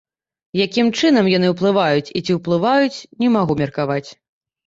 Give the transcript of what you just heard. Якім чынам яны ўплываюць і ці ўплываюць, не магу меркаваць.